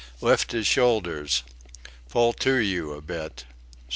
"Lift his shoulders.... Pull to you a bit....